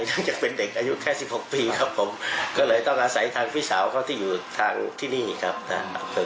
น่าจะเป็นเด็กอายุแค่สิบหกปีครับผมก็เลยต้องอาศัยทางพี่สาวเขาที่อยู่ทางที่นี่ครับทางอำเภอ